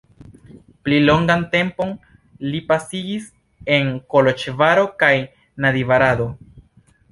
Pli longan tempon li pasigis en Koloĵvaro kaj Nadjvarado.